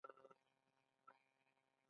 د ورځپاڼو کاغذ له کاناډا څخه ځي.